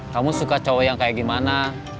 kamu suka cowok yang kayak gimana